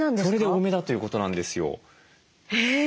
それで多めだということなんですよ。